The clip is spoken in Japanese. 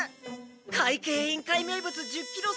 会計委員会名物１０キロ